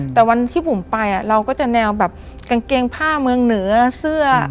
แต่วันที่บุ๋มไปเราก็จะแนวแบบกางเกงผ้าเมืองเหนือเสื้อ